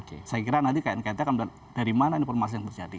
saya kira nanti knkt akan melihat dari mana informasi yang terjadi